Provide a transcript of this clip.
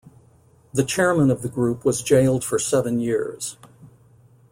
The chairman of the group was jailed for seven years.